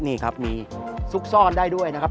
นี่ครับมีซุกซ่อนได้ด้วยนะครับ